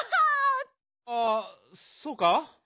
あそうか？